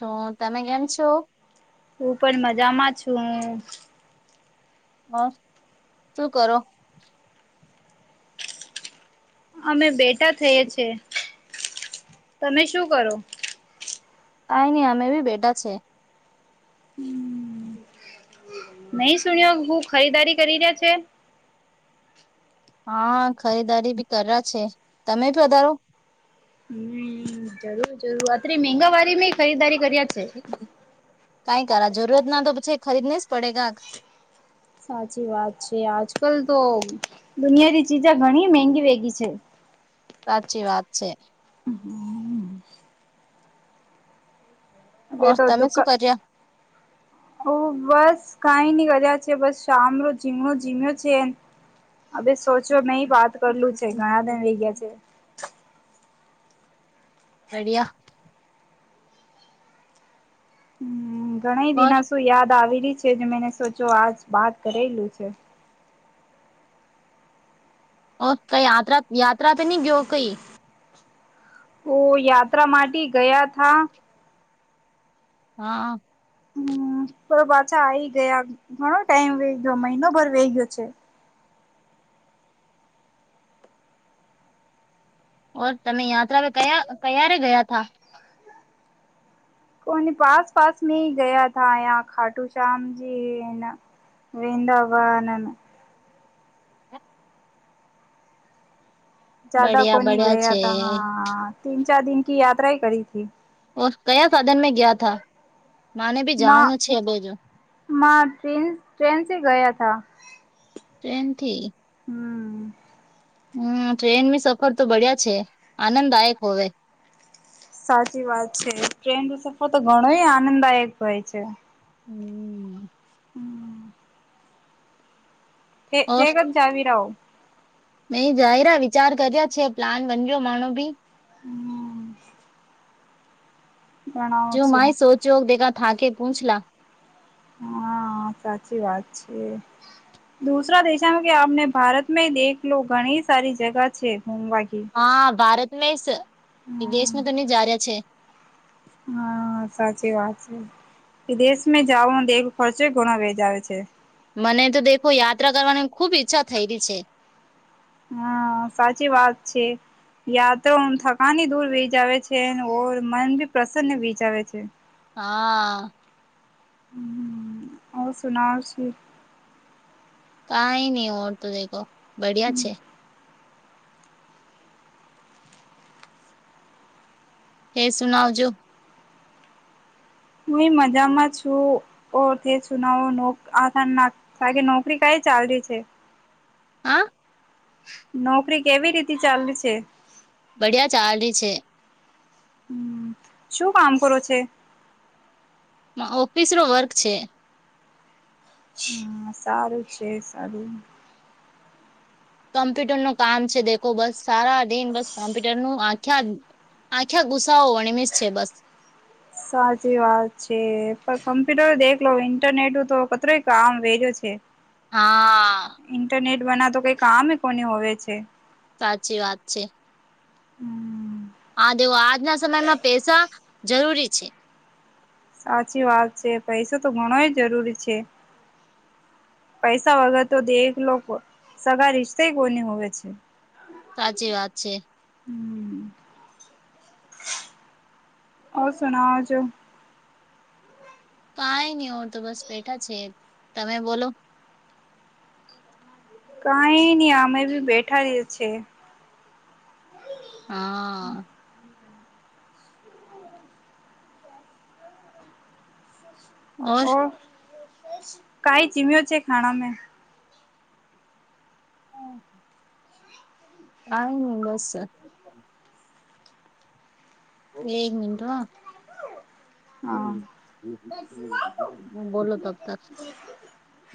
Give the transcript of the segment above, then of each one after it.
હ તમે કેમ છો? હું પણ મજામાં છું. ઓર શું કરો? અમે બેટા થયે છે તમે શું કરો? કાઈ ની અમે બી બેટા છે. નહી સુણીયો હું ખરીદારી કરી રહ્યા છે? હા ખરીદારી ભી કર્યા છે તમે ભી વધારો હમ્મ જરૂર જરૂર અત્રે મેંગાવારી મે ખરીદારી કરીયા છે. કાઈ કરા જરૂરત ના તો પછી ખરીદનાઇસ પડેગા. સાચી વાત છે આજ કલ તો દુનિયાથીરી ચીજે ઘણી મગી વેગી છે. સાચી વાત છે. [unintelligible] અમે ઓર તો તમે શું દુકા [inaudible] ઓ બસ કાઈની કરા છે બસ શામરુ જીમણો જીમ્યા છે. અભી સોચો મેહી બાત કરલું છે. ઘણા દન વહી ગયા છે. બળિયા. હમ ઘણા ઓર દિના શું યાદ આવેલી છે જે મેને સોચો આજ બાત કરેલું છે. ઓ ક‌ંઈ યાત્રા યાત્રા પે ની ગ્યો કઈ? ઓ યાત્રા માટી ગયા થા. હા. હમ પાછા આઈ ગયા ઘણો ટાઈમ વેઈ ગયો મહિનો ભર વેઈ ગયો છે. ઓર તમે યાત્રા કયા કયા રે ગયા થા. કો પાસ પાસ મે ગયા થા ખાટુ શ્યામજી. [unintelligible] જદા બડિયા કોને બડિયા ગયા છે તા હા તીન ચાર દિન કી યાત્રા કરી થી. ઓ કયા સાધન મે ગયા થા માને ભી જાનનું છેેબો જો. મા ટ્રેન ટ્રેન સે ગયા થા. ટ્રેન થી? હમ. હમ ટ્રેન ની સફર તો બડિયા છે આનંદદાયક હોવે. સાચી વાત છે ટ્રેન નો સફર તો ઘણો આનંદદાયક હોય છે. હમ. હમ. [unintelligible] નહી જહેરા વિચાર કર્યા છે પ્લાન બન્યો માણો ભી. હમ. ઘણાઓ છે. [unintelligible] હા સાચી વાત છે. દુસરા દેશામાં કે આપને ભારતમાં દેખ લો ઘણી સારી જગા છે ઘુમવાથી. હા ભારતમાં વિદેશમાં તો હ ની જા રહ્યા છે. હા સાચી વાત છે. કે દેશમાં જવાનો ખર્ચો ઘણો [unintelligible] છે. મને તો દેખો યાત્રા કરવાની ખુબ ઈચ્છા થઈ રહી છે. હા સાચી વાત છે. યા તો થકની દૂર વીજ આવે છે ઓ મન ભી પ્રસન્ન વીજ આવે છે. હા. હમ ઓર સુનાવો [unintelligible] કઈ નહી ઓર તો દખો બઢિયા છે. એે સુનાવજો. હું એ મજામાં છું. ઓ તે સુનાવો આથ તારી નોકરી કઈ ચાલે છે. હા. નોકરી કેવી રીતે ચાલી છે. બઢિયા ચાલી છે. હમ શું કામ કરો છે. ઓફિસ નો વર્ક છે. હમ સારું છે સારું. કોમ્પ્યુટર નું કામ છે દેખો બસ સારા દિન બસ કોમ્પ્યુટર નું આખ્યા આખ્યા ગુસ્સાઓ વણીમેસ છે બસ. સાચી વાત છે પણ કમ્પ્યુટર દેખ લો ઇન્ટરનેટ તો કતરોય આમ વેજો છે. હા. ઇન્ટરનેટ બનાવ તો કઈ કામ કોને હોવે છે. સાચી વાત છે. હમ હા દેવો આજના સમયમાં પૈસા જરૂરી છે. સાચી વાત છે પૈસો તો ઘણોય જરૂરી છે. પૈસા વગર તો દલો સગા રિશ્તે કોને હોવે છે. સાચી વાત છે. હું સુનાવુ છું. કઈ નહી ઓર તો બસ બેઠા છે તમે બોલો કાઈ નય અમે ભી બેઠા છે. હા. ઓર ઓ કઈ ચીમ્યો છે ખાણા મેં હમ. કાઈ નય બસ [unintelligible] હા બોલો તમ તાર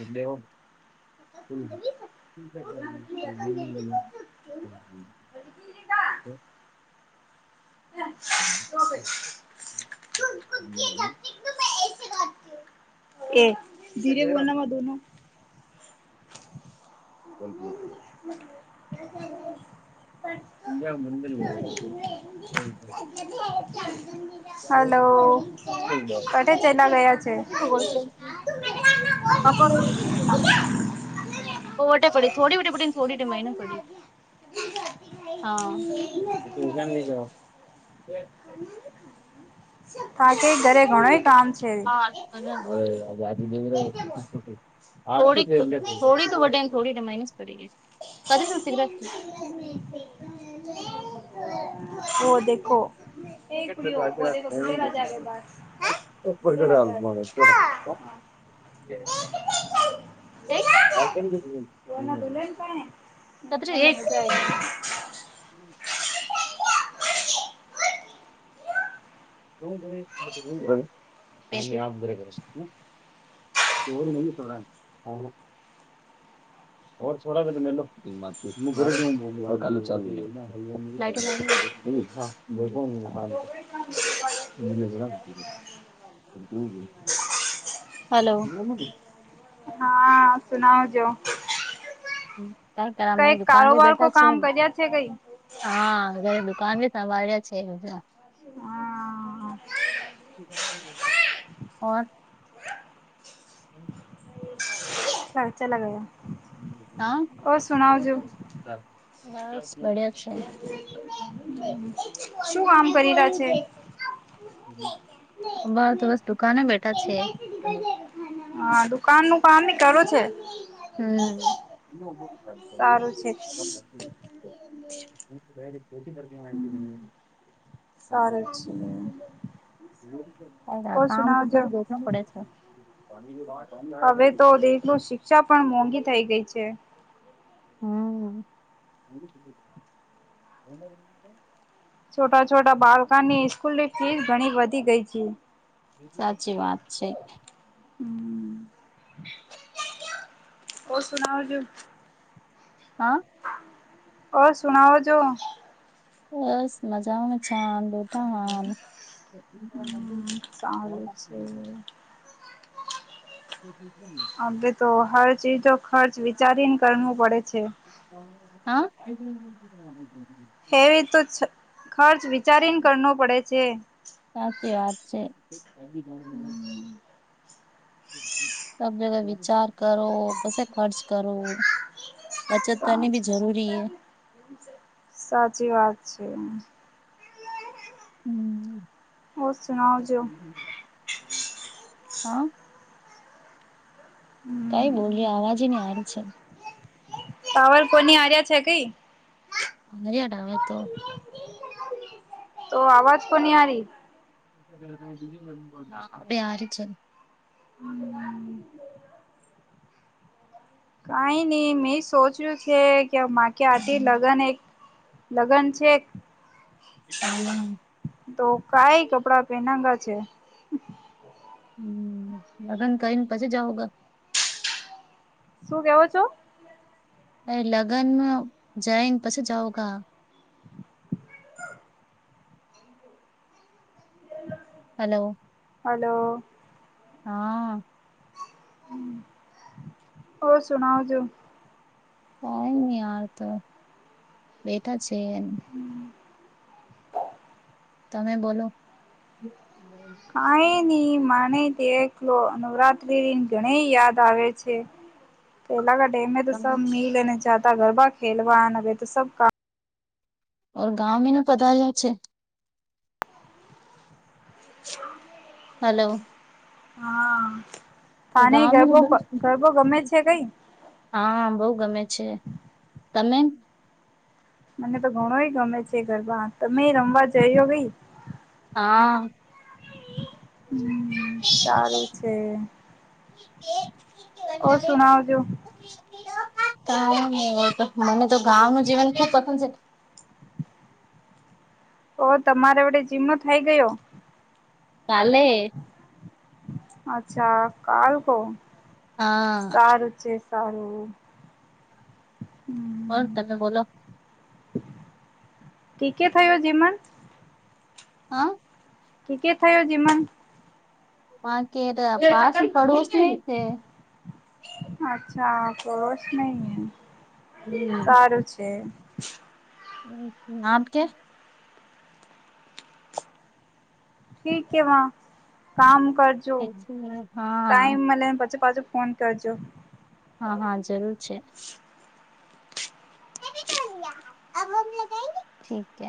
એ બેવ [unintelligible] [unintelligible] [unintelligible] એ ધીરે બોલનામાં ધોન કોક [inaudible] [inaudible] હલો કટે ચેલા ગયા છે? [inaudible] [unintelligible] હા ટ્યશન બી જ આજે ઘરે ઘણાય કામ છે. [unintelligible] [unintelligible] ઓ દેખો હે એક [unintelligible] તત્ર એક [inaudible] [unintelligible] જો તો [unintelligible] [unintelligible] હેલો હા. હા સુનાવજો કઈ કર મે કઈક દુકાન કારોબાર કો બેઠા છે? કામ કર્યા છે કઈ હા ઘરે દુકાન બી સાંભળે છે બધા હા હા [unintelligible] ખર્ચાલા ગયા. હા. બસ પડ્યા છે. શું કામ કરી રહ્યા છે? અમાર તો બસ દુકાને બેઠા છે. હા દુકાન નું કામ કરું છે. હમ સારું છે [inaudible] કોચિંગ કરી સારું [inaudible] છે [unintelligible] ન ઓ સુનાવજો પડે છે [unintelligible] હવે તો દેખો શિક્ષા પણ મોંઘી થઈ ગઈ છે હા [inaudible] છોટા છોટા બાળકની સ્કૂલની ફીસ ઘણી વધી ગઈ છે. સાચી વાત છે. હમ, [inaudible] કો સુનાજું આ ઓ સુનાઓ જો બસ, મજામાં છા દોટાવાન હમ સારું છે. [inaudible] [inaudible] હવે તો હર ચીજો ખર્ચ વિચારીને કરવું પડે છે. આ હેવી તો ખર્ચ વિચારીને કરનો પડે છે. સાચી વાત છે. હમ ત પેલા વિચાર કરો પસે ખર્ચ કરો. બચત કરનીભી સાચી જરૂરી હે સાચી વાત છે. હમ ઓ સુનાવજો હા હમ કઈ બોલે આવાજ ની આરી છે. પાવર કોની આર્યા છે કઈ મર્યાડા હોય તો તો અવાજ પની આરી. ના અવે આરી છે કઈ નઈ મેં સોચ્યું છે, કે માકે આથી લગન એક લગન છે એક [inaudible] તો કઈ કપડા પહેનાંગા છે. હમ લગન કઈને પસી જાઓ ગ શું કેવો છો? એ લગનમાં જઈને પછી જાવ કા. હલો હલો હા હ ઓ સુનાવ છું. કઈ ની યાર તો બેઠા છે. તમે બોલો કઈ ની માને દખલો નવરાત્રી દિન ઘણી યાદ આવે છે. [inaudible] પેલા કે ડેમે તો સબ મિલને જાતા ગરબા ખેલવા. હવે, તો સબ કા ઓર ગાંવ મીનને પતા જ છે હલો હા, પાને ગામ ગરબો ન ગરબો ગમે છે, કઈ? હા, બહુ ગમે છે. તમે? મને તો ઘણોય ગમે છે, ગરબા તમે રમવા જઈયો ગઈ હા. હમ સારું છે. ઓ સુનાઓ [inaudible] જો.. [inaudible] મને તો ગાંવનું જીવન ખુબ પસંદ છે. ઓ તમારે વડે જીમનો થઇ ગયો. કાલે અચ્છા કાલ કો હા સારું છે. તારું હમ કોણ તમે બોલો કી કે થયો જેમાં હા કી કે થયો જીમ [unintelligible] અચ્છા પડોશ ની સારું છે. આપ કે ઠીકે વા કામ કરજો હા ટાઈમ મલે પછી પાચ ફોન કરજો હા હા જરૂર છે. ઠીકે